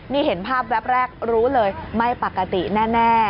นี่เห็นภาพแวบแรกรู้เลยไม่ปกติแน่